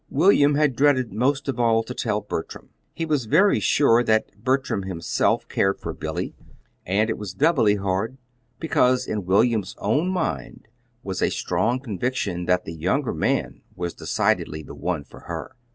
William had dreaded most of all to tell Bertram. He was very sure that Bertram himself cared for Billy; and it was doubly hard because in William's own mind was a strong conviction that the younger man was decidedly the one for her.